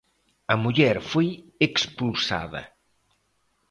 A muller foi expulsada.